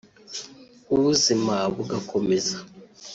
ubuzima bugakomeza